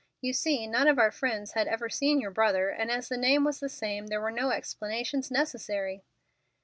You see, none of our friends had ever seen your brother, and as the name was the same there were no explanations necessary."